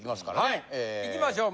はいいきましょう